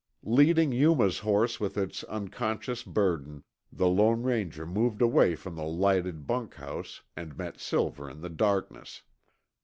Leading Yuma's horse with its unconscious burden, the Lone Ranger moved away from the lighted bunkhouse and met Silver in the darkness.